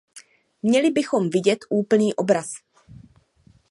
Měli bychom vidět úplný obraz.